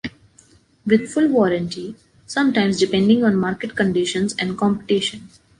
With full warranty, sometimes depending on market conditions and competition